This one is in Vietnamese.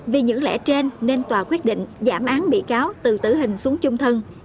vì những lẽ trên nên tòa quyết định giảm án bị cáo từ tử hình xuống chung thân